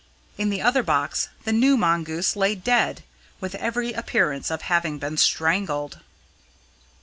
In the other box the new mongoose lay dead, with every appearance of having been strangled!